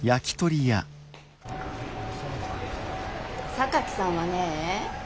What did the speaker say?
榊さんはねえ